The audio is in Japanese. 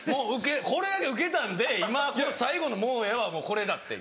これだけウケたんで最後の「もうええわ」はこれだっていう。